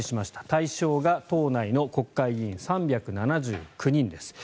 対象が党内の国会議員３７９人です。